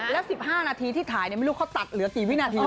แล้วสิบห้านาทีที่ถ่ายเนี่ยไม่รู้เขาตัดเหลือสี่วินาที